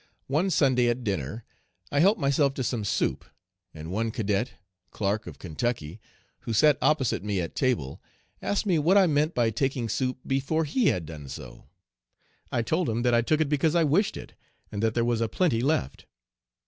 One Sunday, at dinner, I helped myself to some soup, and one cadet, Clark, of Kentucky, who sat opposite me at table, asked me what I meant by taking soup before he had done so. I told him that I took it because I wished it, and that there was a plenty left.